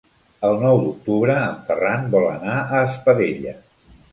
El nou d'octubre en Ferran vol anar a Espadella.